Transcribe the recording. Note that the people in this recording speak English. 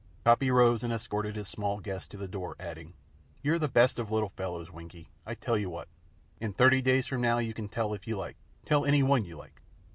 Coppy rose and escorted his small guest to the door, adding: "You're the best of little fellows, Winkie. I tell you what. In thirty days from now you can tell if you like tell any one you like."